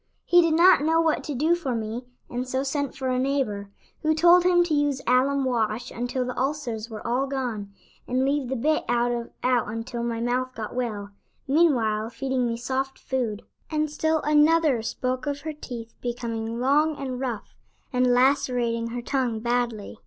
"He did not know what to do for me and so sent for a neighbor, who told him to use alum wash until the ulcers were all gone, and leave the bit out until my mouth got well, meanwhile feeding me soft food." And still another spoke of her teeth becoming long and rough, and lacerating her tongue badly.